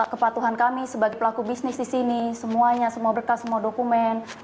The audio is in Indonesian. kepatuhan kami sebagai pelaku bisnis di sini semuanya semua berkas semua dokumen